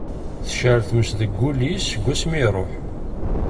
Tecɛel tmes deg wul-is seg wass mi iṛuḥ.